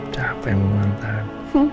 capek mau ulang tahun